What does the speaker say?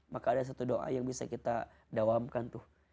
maka ada satu doa yang bisa kita dawamkan tuh